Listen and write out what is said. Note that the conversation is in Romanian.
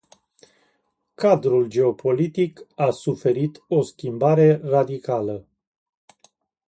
Cadrul geopolitic a suferit o schimbare radicală.